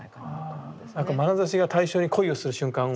まなざしが対象に恋をする瞬間を。